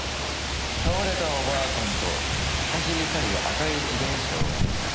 「倒れたお婆さんと走り去る赤い自転車を見た」